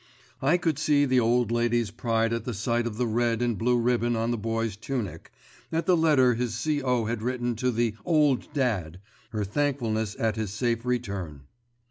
I could see the old lady's pride at the sight of the red and blue ribbon on the Boy's tunic, at the letter his C.O. had written to the "Old Dad," her thankfulness at his safe return.